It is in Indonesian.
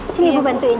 sini bu bantuin